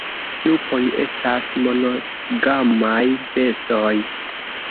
Lupoj estas monogamaj bestoj.